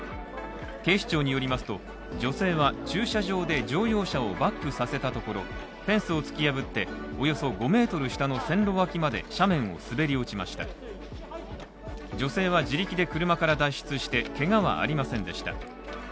警視庁によりますと、女性は駐車場で乗用車をバックさせたところ、フェンスを突き破っておよそ５ｍ下の線路脇まで斜面を滑り落ちました女性は自力で車から脱出して、けがはありませんでした。